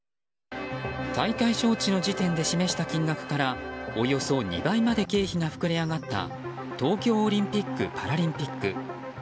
大会招致の時点で示した金額からおよそ２倍まで経費が膨れ上がった東京オリンピック・パラリンピック。